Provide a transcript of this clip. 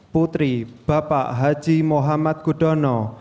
putri bapak haji muhammad gudono